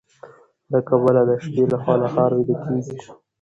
له کبله د شپې لخوا نهر ويده کيږي.